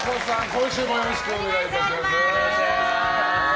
今週もよろしくお願いいたします。